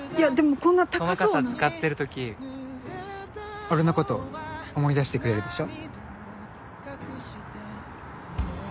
こんな高そうなその傘使ってるとき俺のこと思い出してくれるでしょ？